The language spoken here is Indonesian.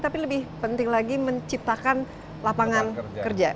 tapi lebih penting lagi menciptakan lapangan kerja